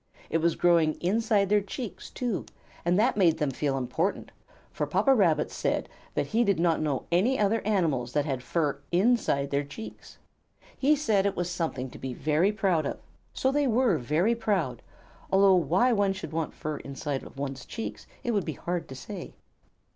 It was growing inside their cheeks, too, and that made them feel important, for Papa Rabbit said that he did not know any other animals that had fur inside their cheeks. He said it was something to be very proud of, so they were very proud, although why one should want fur inside of one's cheeks it would be hard to say.